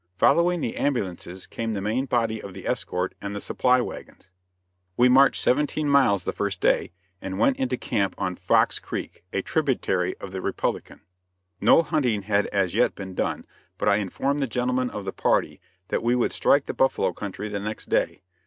Following the ambulances came the main body of the escort and the supply wagons. We marched seventeen miles the first day, and went into camp on Fox Creek, a tributary of the Republican. No hunting had as yet been done; but I informed the gentlemen of the party that we would strike the buffalo country the next day.